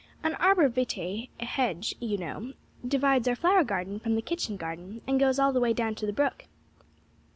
An arbor vitae hedge, you know, divides our flower garden from the kitchen garden and goes all the way down to the brook."